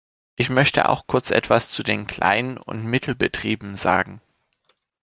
Ich möchte auch kurz etwas zu den Klein- und Mittelbetrieben sagen.